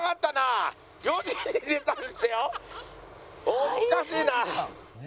おっかしいな。